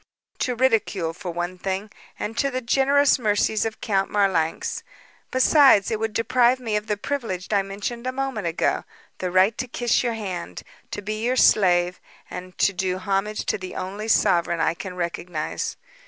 "To ridicule, for one thing, and to the generous mercies of Count Marlanx. Besides, it would deprive me of the privilege I mentioned a moment ago the right to kiss your hand, to be your slave and to do homage to the only sovereign I can recognize.